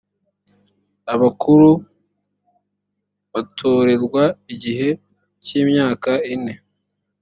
abakuru batorerwa igihe cy’imyaka ine